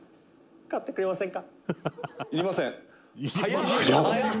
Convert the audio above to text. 買ってくれませんか？」